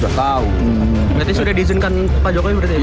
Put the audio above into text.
jadi sudah diizinkan pak jokowi